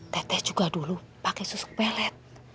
teteh juga dulu pakai susu pelet